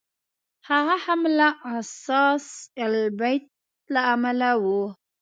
هغه هم له اثاث البیت له امله و.